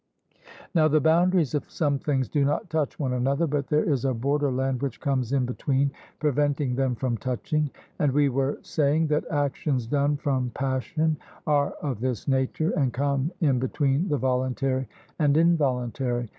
Now the boundaries of some things do not touch one another, but there is a borderland which comes in between, preventing them from touching. And we were saying that actions done from passion are of this nature, and come in between the voluntary and involuntary.